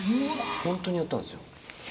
本当にやったんですよ。